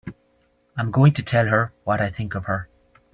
I'm going to tell her what I think of her!